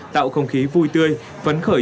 tạo không khí vui tươi